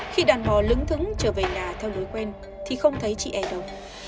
khi đàn bò lứng thứng trở về nhà theo đối quen thì không thấy chị e đâu